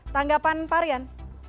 tanggapan pak rian